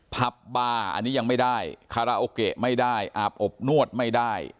ผับบาร์อันนี้ยังไม่ได้คาราโอเกะไม่ได้อาบอบนวดไม่ได้